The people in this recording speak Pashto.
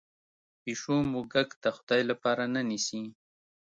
پیشو موږک د خدای لپاره نه نیسي.